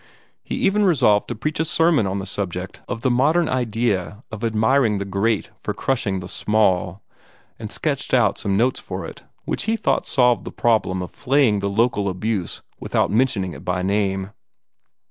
He even resolved to preach a sermon on the subject of the modern idea of admiring the great for crushing the small, and sketched out some notes for it which he thought solved the problem of flaying the local abuse without mentioning it by name.